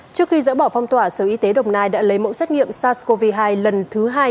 trước khi dỡ bỏ phong tỏa sở y tế đồng nai đã lấy mẫu xét nghiệm sars cov hai lần thứ hai